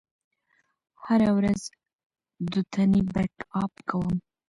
زه هره ورځ دوتنې بک اپ کوم.